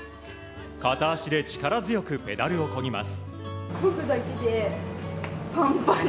片足で力強くペダルをこぎます。